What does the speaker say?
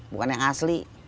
bukan yang asli